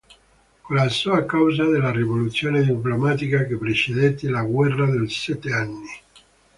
Collassò a causa della rivoluzione diplomatica che precedette la guerra dei sette anni.